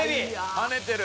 跳ねてる。